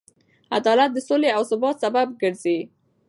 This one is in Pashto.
عدالت د سولې او ثبات سبب ګرځي.